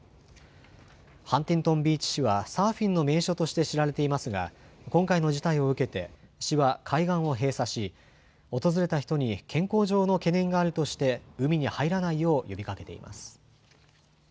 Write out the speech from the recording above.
ハンティントンビーチ市はサーフィンの名所として知られていますが今回の事態を受けて市は海岸を閉鎖し訪れた人に健康上の懸念があるとして海に入らないよう呼びかけています。